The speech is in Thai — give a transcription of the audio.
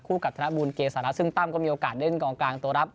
กับธนบุญเกษานะซึ่งตั้มก็มีโอกาสเล่นกองกลางตัวรับ